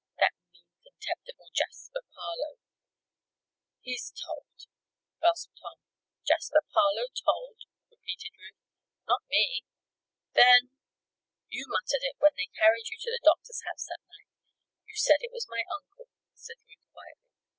"That mean, contemptible Jasper Parloe! He's told!" gasped Tom. "Jasper Parloe told?" repeated Ruth. "Not me." "Then " "You muttered it when they carried you to the doctor's house that night. You said it was my uncle," said Ruth, quietly.